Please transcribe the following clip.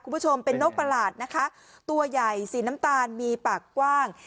คุณผู้ชมเป็นนกประหลาดนะคะตัวใหญ่สีน้ำตาลมีปากกว้าง